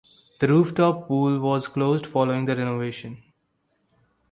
The rooftop pool was closed following the renovation.